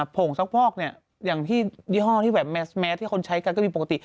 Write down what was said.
โผงซักพวกเนี่ยอย่างที่ยี่ห้อแมสที่คนใช้กันก็มีปกติ